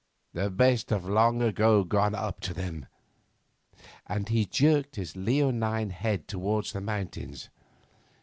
The best have long ago gone up to them,' and he jerked his leonine old head towards the mountains.